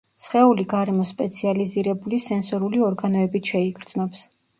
სხეული გარემოს სპეციალიზირებული სენსორული ორგანოებით შეიგრძნობს.